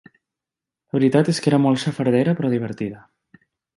La veritat és que era molt xafardera però divertida.